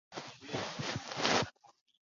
然而二战亦是在本次大会期间全面打响。